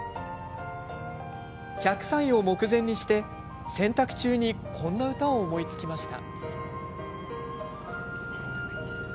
１００歳を目前にして、洗濯中にこんな歌を思いつきました。